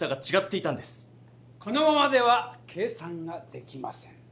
このままでは計算ができません。